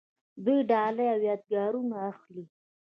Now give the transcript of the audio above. دوی ډالۍ او یادګارونه اخلي.